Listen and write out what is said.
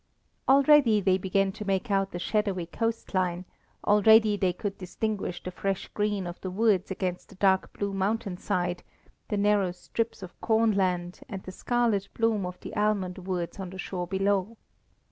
Already they began to make out the shadowy coastline; already they could distinguish the fresh green of the woods against the dark blue mountain side, the narrow strips of cornland, and the scarlet bloom of the almond woods on the shore below.